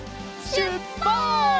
しゅっぱつ！